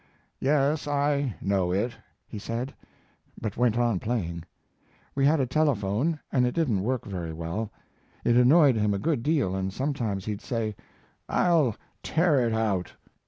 "Yes, I know it," he said, but went on playing. We had a telephone and it didn't work very well. It annoyed him a good deal and sometimes he'd say: "I'll tear it out."